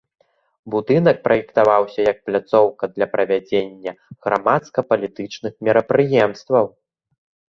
Будынак праектаваўся як пляцоўка для правядзення грамадска-палітычных мерапрыемстваў.